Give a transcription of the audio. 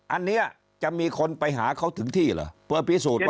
อันนี้จะมีคนไปหาเขาถึงที่หรือ